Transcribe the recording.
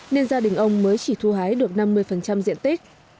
nên gia đình ông mới chỉ thu hái được năm mươi diện tích